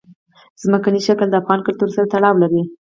ځمکنی شکل د افغان کلتور سره تړاو لري.